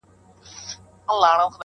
دغه انسان بېشرفي په شرافت کوي.